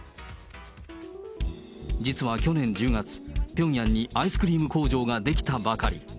実は去年１０月、ピョンヤンにアイスクリーム工場が出来たばかり。